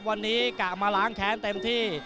วันนี้กะมาล้างแค้นเต็มที่